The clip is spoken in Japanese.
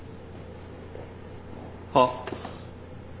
あっ。